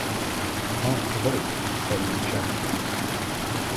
Hearts of Oak are the defending champions.